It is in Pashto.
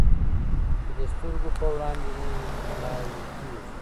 چې د سترګو په وړاندې مې مړواې کيږي.